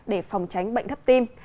để phòng tránh bệnh thấp tim